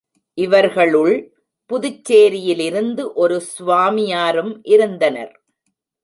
இவர்களுள் புதுச்சேரியிலிருந்து ஒரு ஸ்வாமியாரும் இருந்தனர்.